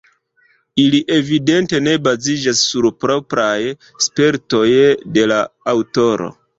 Ili evidente ne baziĝas sur propraj spertoj de la aŭtoro.